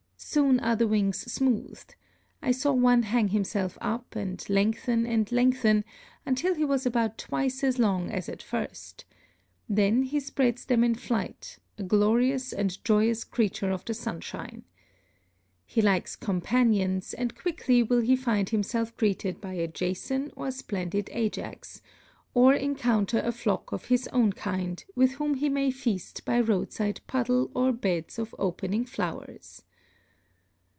Soon are the wings smoothed I saw one hang himself up, and lengthen and lengthen, until he was about twice as long as at first then he spreads them in flight, a glorious and joyous creature of the sunshine! He likes companions, and quickly will he find himself greeted by a Jason or splendid Ajax, or encounter a flock of his own kind, with whom he may feast by roadside puddle or beds of opening flowers.